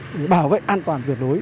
để bảo vệ an toàn tuyệt đối